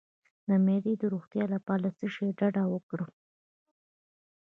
د معدې د روغتیا لپاره له څه شي ډډه وکړم؟